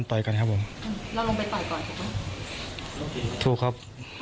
ทำไมถึงจะไปต่อยเขา